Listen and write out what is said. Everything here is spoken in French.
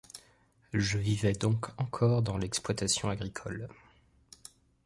Je vivais donc encore dans l'exploitation agricole.